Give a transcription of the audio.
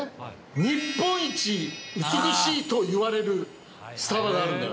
日本一美しいといわれるスタバがあるのよ。